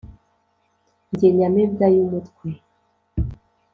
Jye nyamibwa y’ umutwe.